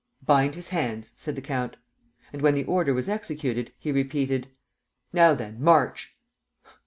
"Bind his hands," said the count. And, when the order was executed, he repeated: "Now then, march!"